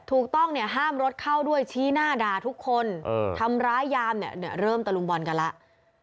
ถูกต้องเนี่ยห้ามรถเข้าด้วยชี้หน้าด่าทุกคนทำร้ายยามเนี่ยเริ่มตะลุมบอลกันแล้ว